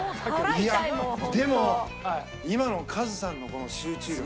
いやでも今のカズさんの集中力は。